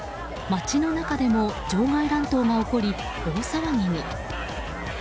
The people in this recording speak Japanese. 街の中でも場外乱闘が起こり大騒ぎに。